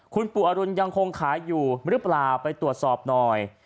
คุณปู่อรุณยังคงขายอยู่หรือเปล่าไปตรวจสอบหน่อย